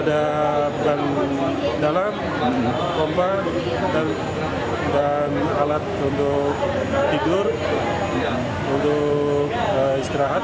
yang penting ada dalam kompa dan alat untuk tidur untuk istirahat